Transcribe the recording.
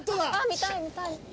見たい見たい！